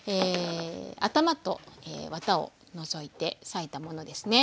頭とワタを除いて裂いたものですね。